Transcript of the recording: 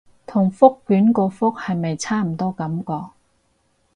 同覆卷個覆係咪差唔多感覺